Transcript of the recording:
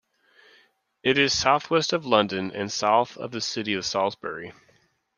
It is southwest of London, and south of the city of Salisbury.